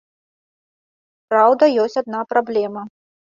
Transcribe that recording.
Праўда, ёсць адна праблема.